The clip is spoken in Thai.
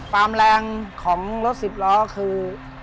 ความแรงของรถสิบล้อคือ